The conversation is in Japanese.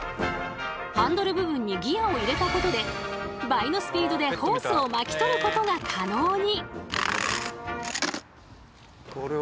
ハンドル部分にギアを入れたことで倍のスピードでホースを巻き取ることが可能に。